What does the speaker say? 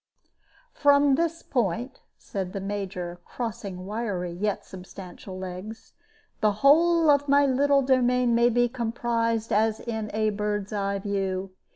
"From this point," said the Major, crossing wiry yet substantial legs, "the whole of my little domain may be comprised as in a bird's eye view.